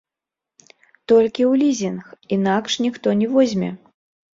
Толькі ў лізінг, інакш ніхто не возьме.